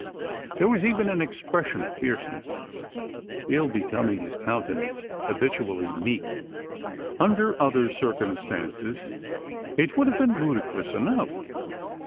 There was even an expression of fierceness, ill becoming his countenance habitually meek. Under other circumstances, it would have been ludicrous enough.